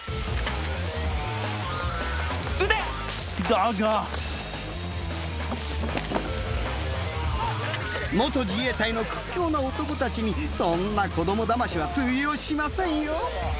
だが自衛隊の屈強な男たちにそんな子供だましは通用しませんよ。